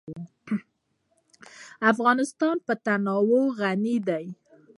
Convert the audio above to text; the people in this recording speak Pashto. افغانستان په تنوع غني دی.